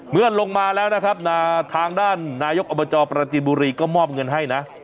เมื่อลงมาแล้วนะครับทางด้านนายกอบจประจินบุรีก็มอบเงินให้นะ